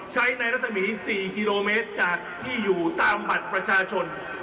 ใช้ในรัศมี๔กิโลเมตรจากที่อยู่ตามบัตรประชาชน